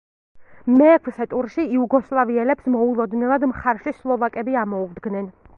მეექვსე ტურში იუგოსლავიელებს მოულოდნელად მხარში სლოვაკები ამოუდგნენ.